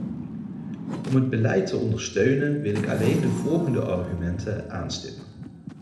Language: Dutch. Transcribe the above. Om het beleid te ondersteunen wil ik alleen de volgende argumenten aanstippen.